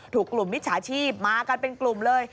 ถูกกลุ่มมิจฉาชีพมากันเป็นกลุ่มเลย